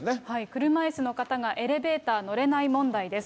車いすの方がエレベーター乗れない問題です。